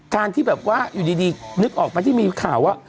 การที่แบบว่าอยู่ดีนึกออกไหมที่มีข่าวว่า